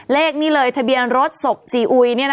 เลขนี้เลยทะเบียนรถศพซีอุย